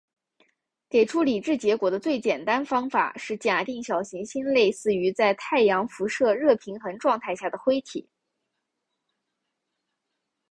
给出理智结果的最简单方法是假定小行星类似于在太阳辐射热平衡状态下的灰体。